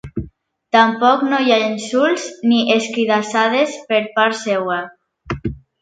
Tampoc no hi ha insults ni escridassades per part seua.